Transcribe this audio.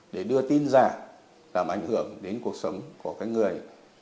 để đưa tin giả làm ảnh hưởng đến cuộc sống của cái người